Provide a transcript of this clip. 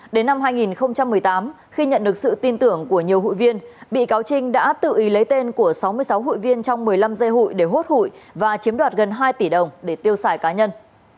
đến năm hai nghìn một mươi tám khi nhận được sự tin tưởng của nhiều hụi viên bị cáo trinh đã tự ý lấy tên của sáu mươi sáu hụi viên trong một mươi năm dây hụi để hốt hụi và chiếm đoạt gần hai tỷ đồng để tiêu xài cá nhân